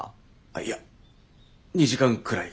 いや２時間くらい。